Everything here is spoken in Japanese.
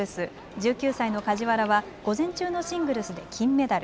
１９歳の梶原は午前中のシングルスで金メダル。